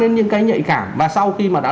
những cái nhạy cảm và sau khi mà đã